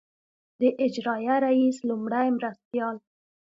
د اجرائیه رییس لومړي مرستیال.